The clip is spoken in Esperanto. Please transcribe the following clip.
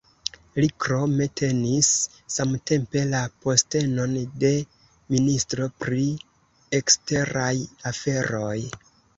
Li krome tenis samtempe la postenon de Ministro pri eksteraj aferoj.